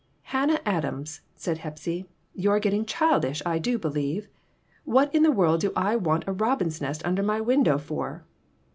"Hannah Adams," said Hepsy, "you're getting childish, I do believe. What in the world do I want a robin's nest under my window for?